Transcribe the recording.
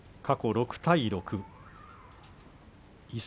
過去６対６。